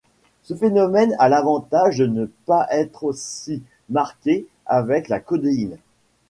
Ce phénomène a l'avantage de ne pas être aussi marqué avec la codéine.